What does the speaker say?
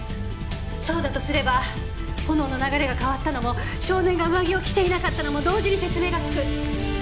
そうだとすれば炎の流れが変わったのも少年が上着を着ていなかったのも同時に説明がつく。